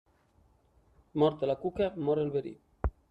Morta la cuca, mort el verí.